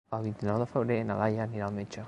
El vint-i-nou de febrer na Laia anirà al metge.